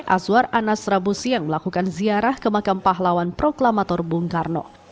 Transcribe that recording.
azwar anas rabu siang melakukan ziarah ke makam pahlawan proklamator bung karno